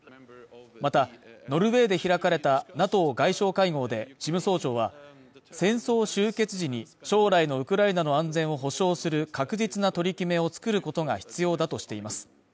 またノルウェーで開かれたＮＡＴＯ外相会合で、事務総長は戦争終結時に将来のウクライナの安全を保障する確実な取り決めを作ることが必要だとしています。